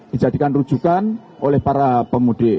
dijadikan rujukan oleh para pemudik